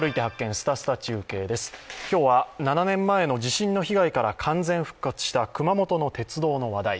すたすた中継」です今日は７年前の地震の被害から完全復活した熊本の鉄道の話題